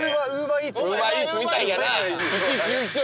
ウーバーイーツみたいやな！